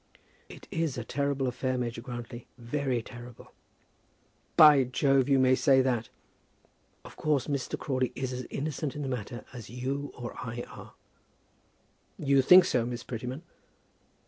"It is a terrible affair, Major Grantly; very terrible." "By Jove, you may say that!" "Of course Mr. Crawley is as innocent in the matter as you or I are." "You think so, Miss Prettyman?"